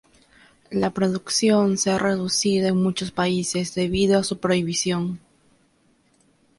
La producción se ha reducido en muchos países debido a su prohibición.